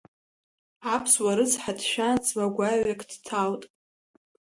Аԥсуа рыцҳа дшәан ҵла гәаҩак дҭалт.